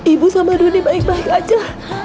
ibu sama doni baik baik aja